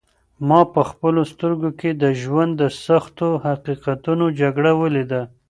ما په خپلو سترګو کې د ژوند د سختو حقیقتونو جګړه ولیده.